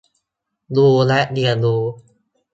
ดูและเรียนรู้